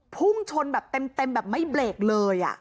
พุ่งชนแบบเต็มแบบไม่เบรกเลย